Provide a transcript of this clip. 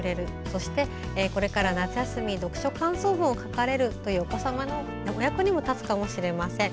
そしてこれから夏休み読書感想文を書かれるというお子様のお役にも立つかもしれません。